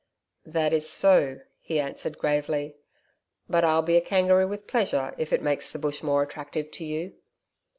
'That is so,' he answered gravely. 'But I'll be a kangaroo with pleasure if it makes the Bush more attractive to you.'